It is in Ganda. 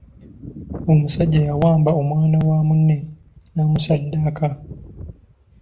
Omusajja yawamba omwana wa munne n’amusaddaaka.